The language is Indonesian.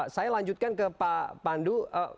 saya lanjutkan ke pak pandu